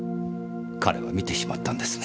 彼は見てしまったんですね。